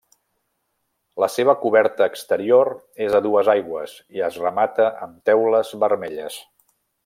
La seva coberta exterior és a dues aigües i es remata amb teules vermelles.